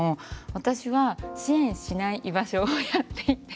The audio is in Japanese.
私は支援しない居場所をやっていて。